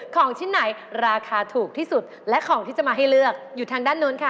ของชิ้นไหนราคาถูกที่สุดและของที่จะมาให้เลือกอยู่ทางด้านนู้นค่ะ